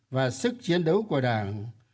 và sức chiến đấu của đảng